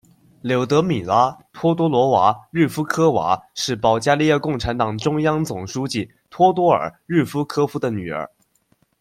柳德米拉·托多罗娃·日夫科娃是保加利亚共产党中央总书记托多尔·日夫科夫的女儿。